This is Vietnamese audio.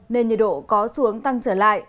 nên nhiệt độ có xuống tăng trở lại